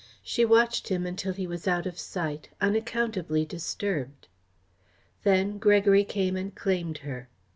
She watched him until he was out of sight, unaccountably disturbed. Then Gregory came and claimed her.